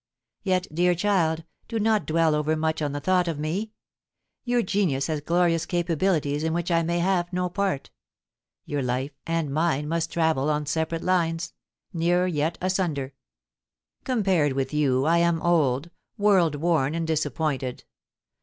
Yet, dear child, do not dwell over much on the thought of me. Your genius has glorious capabilities in which I may have no part — your life and mine must travel on separate lines — near, yet asunder. Compared with you I am old, world worn and disappointed.